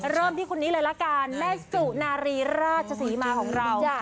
ที่คนนี้เลยละกันแม่สุนารีราชศรีมาของเรา